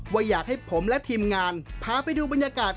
ว่าอยากให้ผมและทีมงานพาไปดูบรรยากาศ